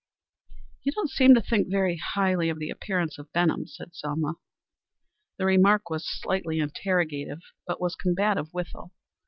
"You don't seem to think very highly of the appearance of Benham," said Selma. The remark was slightly interrogative, but was combative withal.